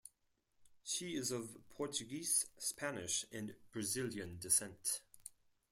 She is of Portuguese, Spanish, and Brazilian descent.